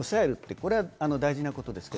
これは大事なことです。